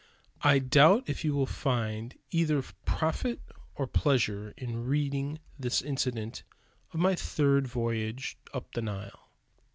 I doubt if you will find either profit or pleasure in reading this incident of my third voyage up the Nile.